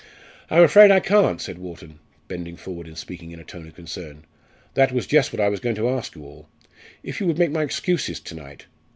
"I'm afraid I can't," said Wharton, bending forward and speaking in a tone of concern; "that was just what I was going to ask you all if you would make my excuses to night?